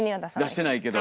出してないけど。